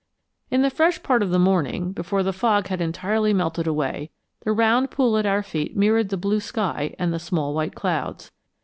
In the fresh part of the morning, before the fog had entirely melted away, the round pool at our feet mirrored the blue sky and the small white clouds.